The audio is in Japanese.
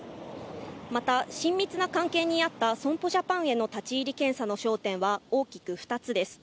また、親密な関係にあった損保ジャパンへの立ち入り検査の焦点は大きく２つです。